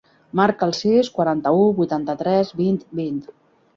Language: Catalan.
Marca el sis, quaranta-u, vuitanta-tres, vint, vint.